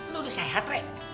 lu udah sehat re